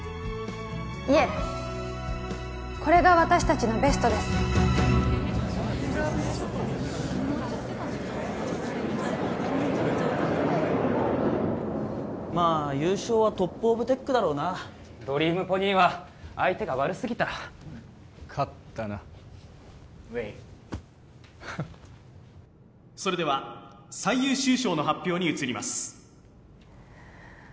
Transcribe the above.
いえこれが私達のベストです・まあ優勝はトップオブテックだろうなドリームポニーは相手が悪すぎた勝ったなウェイ・それでは最優秀賞の発表にうつります